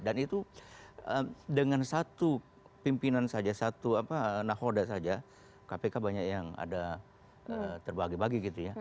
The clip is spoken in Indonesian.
dan itu dengan satu pimpinan saja satu nahoda saja kpk banyak yang ada terbagi bagi gitu ya